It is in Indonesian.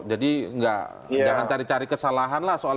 jadi jangan cari cari kesalahan